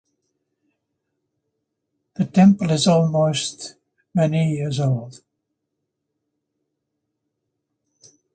The temple is almost many years old.